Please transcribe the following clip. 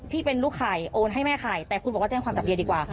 ที่เป็นลูกไข่โอนให้แม่ขายแต่คุณบอกว่าแจ้งความจับเดียดีกว่าค่ะ